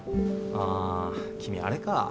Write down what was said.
あ君あれか。